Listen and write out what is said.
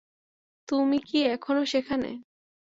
তুমি কি এখনও সেখানে?